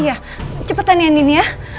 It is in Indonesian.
iya cepetan ya andini ya